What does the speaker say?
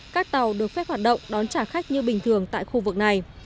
các tàu được phép hoạt động đón trả khách như bình thường tại khu vực này